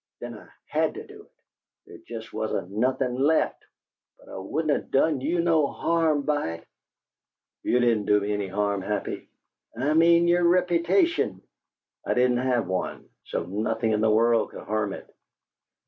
Then I HAD to do it. There jest wasn't nothin' LEFT but I wouldn't of done you no harm by it " "You didn't do me any harm, Happy." "I mean your repitation." "I didn't have one so nothing in the world could harm it.